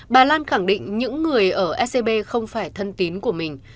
bà lan khẳng định những người ở scb không phải thân tín của mình